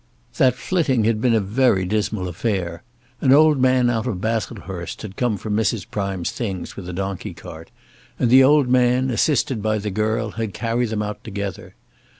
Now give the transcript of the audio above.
That flitting had been a very dismal affair. An old man out of Baslehurst had come for Mrs. Prime's things with a donkey cart, and the old man, assisted by the girl, had carried them out together.